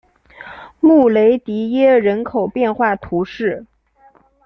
穆雷迪耶人口变化图示